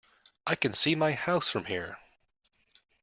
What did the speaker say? I can see my house from here!